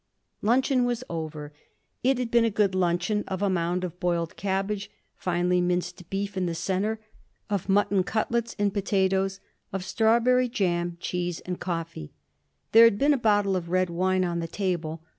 Luncheon was over. It had been a good luncheon, of a mound of boiled cabbage, finely minced beef in the centre, of mutton cutlets and potatoes, of strawberry jam, cheese and coffee. There had been a bottle of red wine on the table.